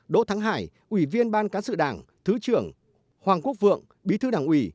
đỗ thắng hải ủy viên ban cán sự đảng thứ trưởng hoàng quốc vượng bí thư đảng ủy